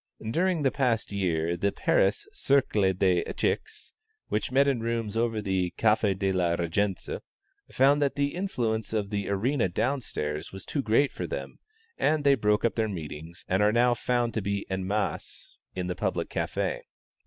During the past year, the Paris Cercle des Echecs, which met in rooms over the Café de la Régence, found that the influence of the arena down stairs was too great for them, and they broke up their meetings, and are now to be found en masse in the public café.